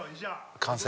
完成？